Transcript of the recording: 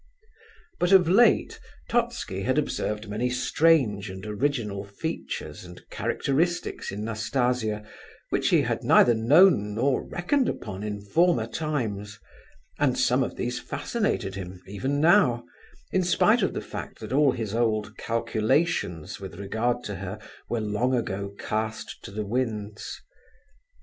But, of late, Totski had observed many strange and original features and characteristics in Nastasia, which he had neither known nor reckoned upon in former times, and some of these fascinated him, even now, in spite of the fact that all his old calculations with regard to her were long ago cast to the winds.